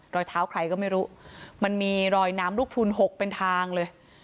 รอยเท้าใครก็ไม่รู้มันมีรอยน้ำลูกพูนหกเป็นทางเลย